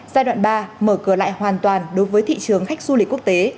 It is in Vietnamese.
giai đoạn ba mở cửa lại hoàn toàn đối với thị trường khách du lịch quốc tế